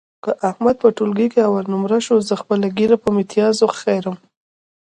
که احمد په ټولګي کې اول نمره شو، زه خپله ږیره په میتیازو خرېیم.